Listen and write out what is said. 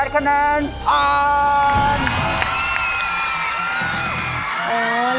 ๕๘คะแนนอัน